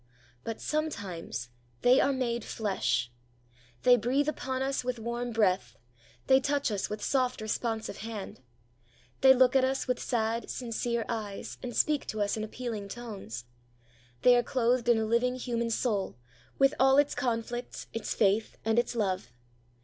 But sometimes they are made flesh; they breathe upon us with warm breath, they touch us with soft responsive hand, they look at us with sad sincere eyes, and speak to us in appealing tones; they are clothed in a living human soul, with all its conflicts, its faith, and its love.